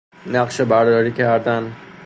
نقشه برداری کردن